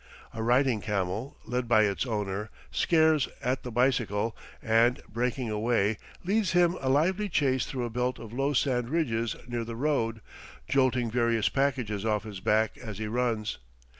A riding camel, led by its owner, scares at the bicycle, and, breaking away, leads him a lively chase through a belt of low sand ridges near the road, jolting various packages off his back as he runs.